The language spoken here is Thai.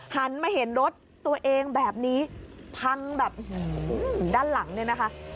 หันมาเห็นรถตัวเองแบบนี้พังแบบด้านหลังเนี่ยนะคะ